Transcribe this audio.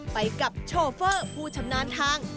ไปกับโชเฟอร์ผู้ชำนาญทาง